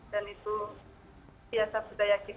dan itu biasa budaya kita